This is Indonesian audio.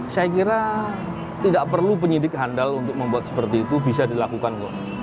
saya kira tidak perlu penyidik handal untuk membuat seperti itu bisa dilakukan kok